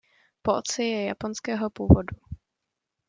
Po otci je japonského původu.